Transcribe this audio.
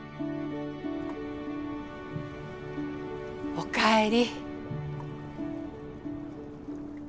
おかえり。